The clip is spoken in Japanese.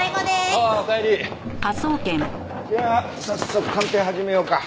じゃあ早速鑑定始めようか。